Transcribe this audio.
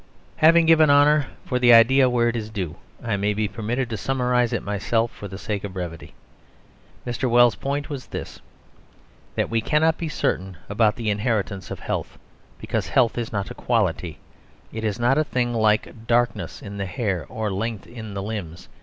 Having given honour for the idea where it is due, I may be permitted to summarise it myself for the sake of brevity. Mr. Wells' point was this. That we cannot be certain about the inheritance of health, because health is not a quality. It is not a thing like darkness in the hair or length in the limbs.